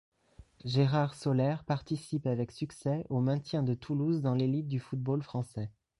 Gérard Soler participe avec succès au maintien de Toulouse dans l'élite du football français.